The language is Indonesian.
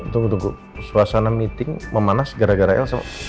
tunggu tunggu suasana meeting memanas gara gara elsa